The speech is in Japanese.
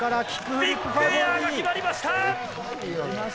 ビッグエアが決まりました。